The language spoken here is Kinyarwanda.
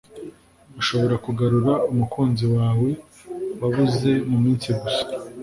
ashobora kugarura umukunzi wawe wabuze muminsi gusa